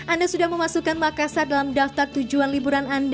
anda sudah memasukkan makassar dalam daftar tujuan liburan anda